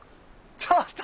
ちょっと！